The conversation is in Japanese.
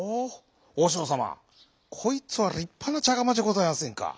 おしょうさまこいつはりっぱなちゃがまじゃございませんか。